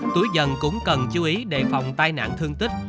tuổi dân cũng cần chú ý đề phòng tai nạn thương tích